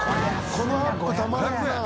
このアップたまらんな。